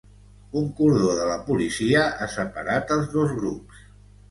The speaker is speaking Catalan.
Un cordó de la policia ha separat els dos grups.